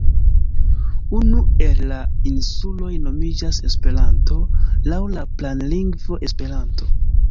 Unu el la insuloj nomiĝas Esperanto, laŭ la planlingvo Esperanto.